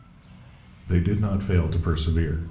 They did not fail to persevere.